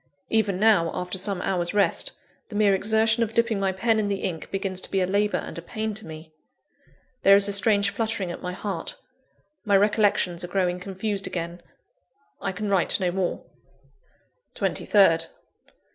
Even now, after some hours' rest, the mere exertion of dipping my pen in the ink begins to be a labour and a pain to me. There is a strange fluttering at my heart; my recollections are growing confused again I can write no more. 23rd.